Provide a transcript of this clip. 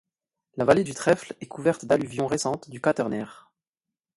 La vallée du Trèfle est couverte d'alluvions récentes du Quaternaire.